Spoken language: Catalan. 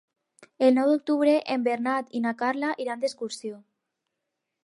El nou d'octubre en Bernat i na Carla iran d'excursió.